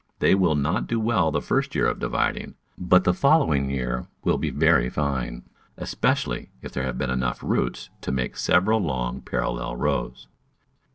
They will not do well the first year of divid ing, but the following year will be very fine, especially if there have been enough roots to make several long, parallel rows.